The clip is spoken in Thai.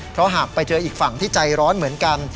เพราะหากไปเจออีกฝั่งที่ใจร้อนเหมือนกัน